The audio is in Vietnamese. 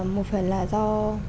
một phần là do